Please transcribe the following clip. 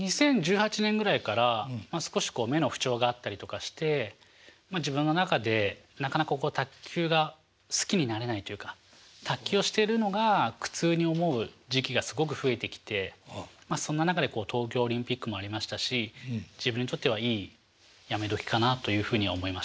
２０１８年ぐらいから少し目の不調があったりとかしてまあ自分の中でなかなかこう卓球が好きになれないというか卓球をしているのが苦痛に思う時期がすごく増えてきてそんな中で東京オリンピックもありましたし自分にとってはいいやめ時かなというふうには思いました。